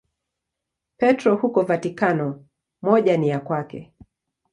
Petro huko Vatikano, moja ni ya kwake.